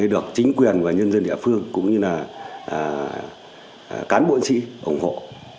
được chính quyền và nhân dân địa phương cũng như là cán bộ chiến sĩ ủng hộ